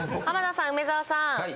浜田さん梅沢さん